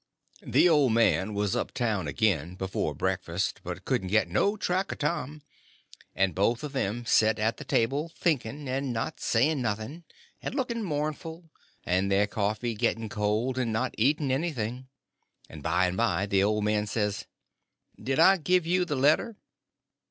The old man was uptown again before breakfast, but couldn't get no track of Tom; and both of them set at the table thinking, and not saying nothing, and looking mournful, and their coffee getting cold, and not eating anything. And by and by the old man says: "Did I give you the letter?"